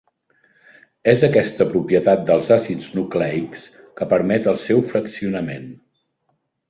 És aquesta propietat dels àcids nucleics que permet el seu fraccionament.